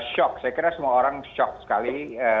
shok saya kira semua orang shok sekali